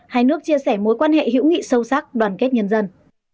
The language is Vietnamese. hai nước chia sẻ mối quan hệ hữu nghị sâu sắc đoàn kết nhân dân